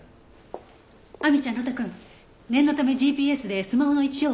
亜美ちゃん呂太くん念のためＧＰＳでスマホの位置情報調べてみて。